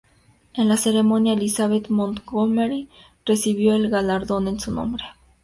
En la ceremonia, Elizabeth Montgomery recibió el galardón en su nombre.